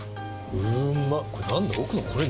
うまっ。